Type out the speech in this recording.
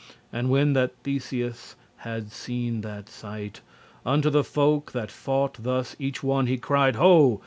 And when that Theseus had seen that sight Unto the folk that foughte thus each one, He cried, Ho!